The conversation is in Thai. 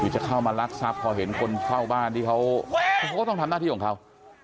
จะเข้ามารักทรัพย์พอเห็นคนเฝ้าบ้านที่เขาก็ต้องทำหน้าที่ของเขา